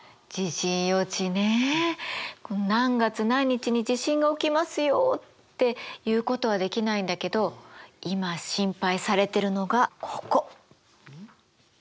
地震予知ね何月何日に地震が起きますよっていうことはできないんだけど今心配されてるのがここ。